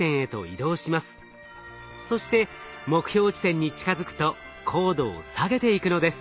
そして目標地点に近づくと高度を下げていくのです。